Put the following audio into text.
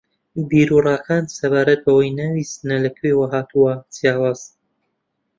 بیر و ڕاکان سەبارەت بەوەی ناوی سنە لە کوێوە ھاتووە جیاوازن